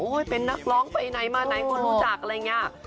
โอ้ยเป็นนักร้องไปไหนมาไหนควรรู้จักอะไรเงี้ย